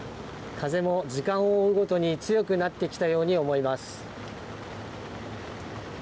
風も時間を追うごとに強くなってきたように思います。